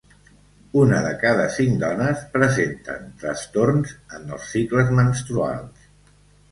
Una de cada cinc dones presenten trastorns en els cicles menstruals.